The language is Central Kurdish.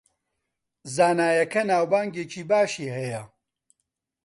زانایەکە ناوبانگێکی باشی هەیە